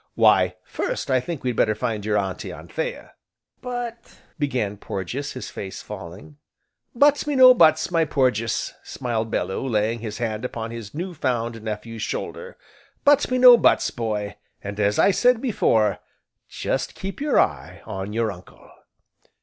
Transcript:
"Why, first, I think we'd better find your Auntie Anthea." "But, " began Porges, his face falling. "But me no buts, my Porges," smiled Bellew, laying his hand upon his new found nephew's shoulder, "but me no buts, boy, and, as I said before, just keep your eye on your uncle."